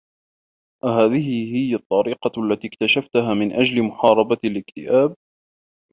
أهذه هي الطّريقة التي اكتشفتها من أجل محاربة الاكتئاب؟